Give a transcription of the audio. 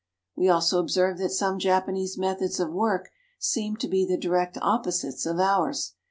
We also observe that some Japanese methods of work seem to be the direct opposites of ours.